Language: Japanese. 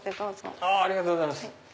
ありがとうございます。